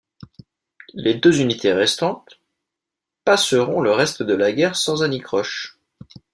Les deux unités restantes passeront le reste de la guerre sans anicroche.